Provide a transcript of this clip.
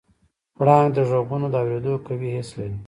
پړانګ د غږونو د اورېدو قوي حس لري.